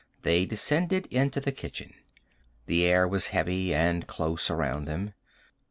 They descended into the kitchen. The air was heavy and close around them.